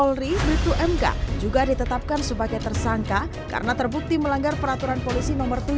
ini itu mk juga ditetapkan sebagai tersangka karena terbukti melanggar peraturan polisi nomor